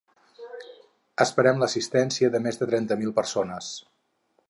Esperem l'assistència de més de trenta mil persones.